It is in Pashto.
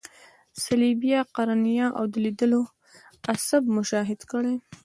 صلبیه، قرنیه او د لیدلو عصب مشاهده کړئ.